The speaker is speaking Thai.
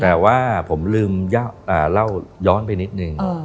แต่ว่าผมลืมเล่าย้อนไปนิดนึง